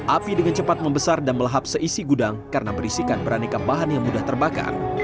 api dengan cepat membesar dan melahap seisi gudang karena berisikan beraneka bahan yang mudah terbakar